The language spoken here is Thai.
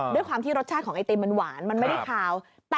ด้วยความที่รสชาติของไอติมมันหวานมันไม่ได้คาว